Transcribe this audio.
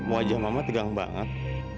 wajah mama tegang banget